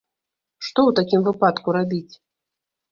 Што ў такім выпадку рабіць?